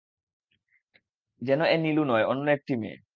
যেন এ নীলু নয়, অন্য একটি মেয়ে।